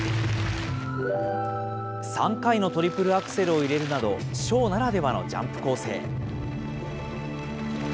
３回のトリプルアクセルを入れるなど、ショーならではのジャンプ構成。